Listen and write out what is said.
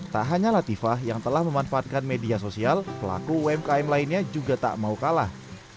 tak hanya latifah yang telah memanfaatkan media sosial pelaku umkm lainnya juga tak mau kalah